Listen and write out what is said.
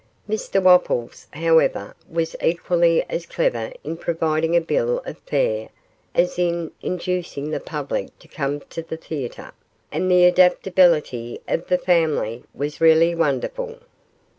Mr Wopples, however, was equally as clever in providing a bill of fare as in inducing the public to come to the theatre, and the adaptability of the family was really wonderful.